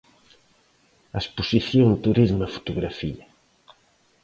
A exposición Turismo e fotografía.